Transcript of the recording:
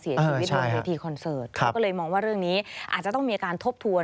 เสียชีวิตบนเวทีคอนเสิร์ตก็เลยมองว่าเรื่องนี้อาจจะต้องมีการทบทวน